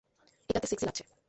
এটাতে সেক্সি লাগছে।